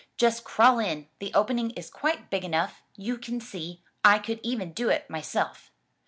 "Just crawl in. The opening is quite big enough, you can see — I could even do it myself."